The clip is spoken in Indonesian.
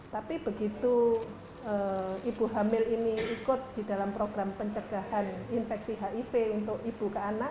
tapi begitu ibu hamil ini ikut di dalam program pencegahan infeksi hiv untuk ibu ke anak